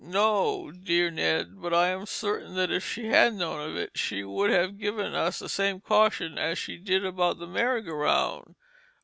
"No, dear Ned, but I am certain that if she had known of it she would have given us the same caution as she did about the Merry go round."